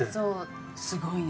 すごいね。